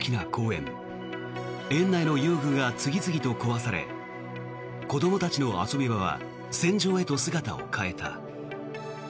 園内の遊具が次々と壊され子どもたちの遊び場は戦場へと姿を変えた。